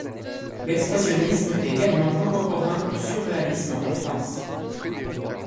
L'expressionnisme est également contemporain du surréalisme en France.